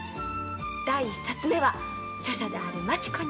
第１冊目は著者であるマチ子に。